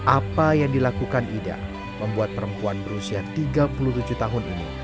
apa yang dilakukan ida membuat perempuan berusia tiga puluh tujuh tahun ini